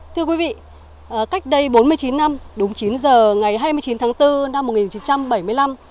thưa quý vị cách đây bốn mươi chín năm đúng chín giờ ngày hai mươi chín tháng bốn năm một nghìn chín trăm bảy mươi năm